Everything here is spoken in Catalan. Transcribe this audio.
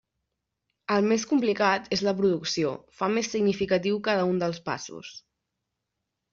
El més complicat és la producció, fa més significatiu cada un dels passos.